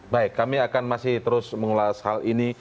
baik kami akan masih terus mengulas hal ini